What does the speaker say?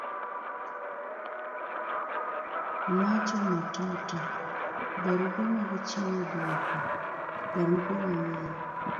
Macho Matata. barupe mag chiwo duoko. barupe mang'eny